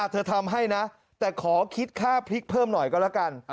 ทำให้นะแต่ขอคิดค่าพริกเพิ่มหน่อยก็แล้วกัน